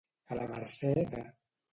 A la mercè de.